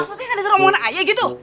maksudnya gak denger omongan ayah gitu